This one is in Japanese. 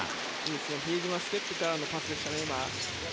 比江島ステップからのパスでしたね、今のは。